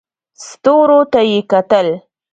ستورو ته یې کتل.